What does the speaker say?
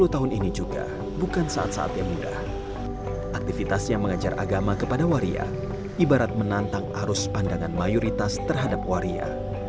sepuluh tahun ini juga bukan saat saat yang mudah aktivitas yang mengajar agama kepada waria ibarat menantang arus pandangan mayoritas terhadap waria